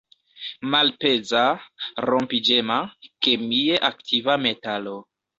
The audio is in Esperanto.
Malpeza, rompiĝema, kemie aktiva metalo.